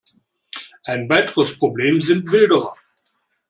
Ein weiteres Problem sind Wilderer.